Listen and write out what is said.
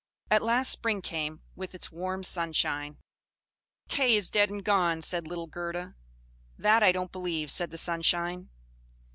At last spring came, with its warm sunshine. "Kay is dead and gone!" said little Gerda. "That I don't believe," said the Sunshine.